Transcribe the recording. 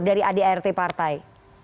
dari adart partai